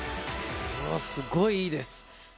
すごいいいです。